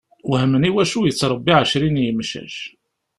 Wehmen iwacu yettṛebbi ɛecrin n yemcac.